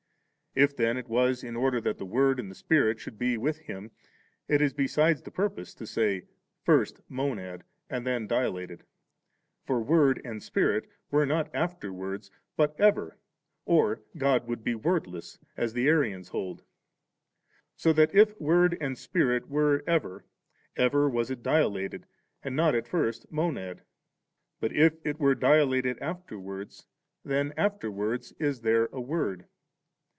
If then it was in order that Word and Spirit should be with Him, it is beside the purpose to say, 'First Monad, and then dila ted;' for Word and Spirit were not after^ wards, but ever, or God would be wordless ^ as the Arians hold. So that iT Word and Spirit were ever, ever was it dilated, and not at first a Monad ; but if it were dilated after wards, then afteiwards is there a Word.